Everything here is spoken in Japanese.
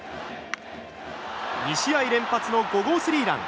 ２試合連発の５号スリーラン！